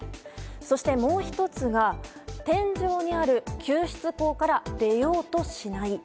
そしてもう１つが、天井にある救出口から出ようとしない。